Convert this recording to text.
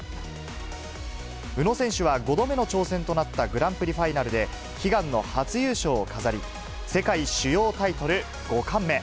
宇野選手は、５度目の挑戦となったグランプリファイナルで悲願の初優勝を飾り、世界主要タイトル５冠目。